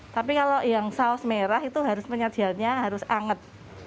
tapi kalau yang saus merah itu harus penyajiannya harus anget